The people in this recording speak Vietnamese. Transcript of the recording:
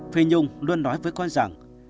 phi nhung luôn nói với con rằng